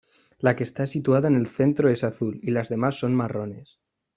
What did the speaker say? La que está situada en el centro es azul, y las demás son marrones.